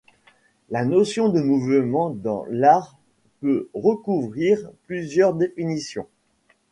La notion de mouvement dans l'art peut recouvrir plusieurs définitions.